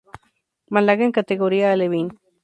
Málaga en categoría alevín.